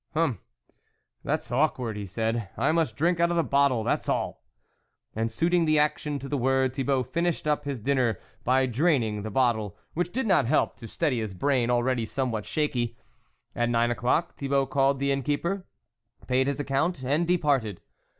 44 Hum ! that's awkward," he said. " I must drink out of the bottle, that's all ! And suiting the action to the word, Thibault finished up his dinner by drain ing the bottle, which did not help to steady his brain, already somewhat shaky. At nine o'clock, Thibault called the innkeeper, paid his account, and de parted.